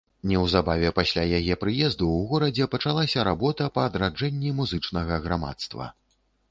Неўзабаве пасля яе прыезду ў горадзе пачалася работа па адраджэнні музычнага грамадства.